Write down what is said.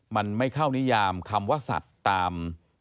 มันไม่เข้านิยามคำว่าสัตว์ตาม